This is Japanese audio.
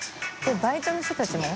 バイトの人たちも？